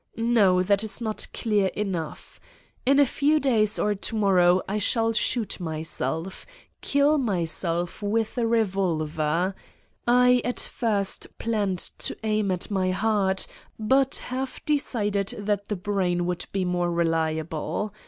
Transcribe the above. ... No, that is not clear enough : in a few days or to mor row I shall shoot myself, kill myself with a re volver. I at first planned to aim at my heart but have decided that the brain would be more reli able.